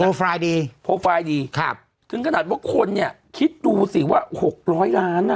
ไฟล์ดีโปรไฟล์ดีครับถึงขนาดว่าคนเนี่ยคิดดูสิว่าหกร้อยล้านอ่ะ